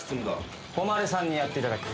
誉さんにやっていただく。